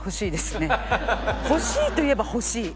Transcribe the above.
欲しいといえば欲しい。